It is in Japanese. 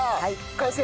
完成。